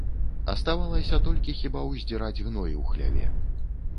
Аставалася толькі хіба ўздзіраць гной у хляве.